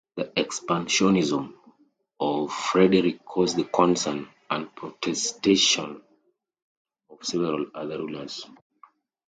The expansionism of Frederick caused the concern and protestation of several other rulers.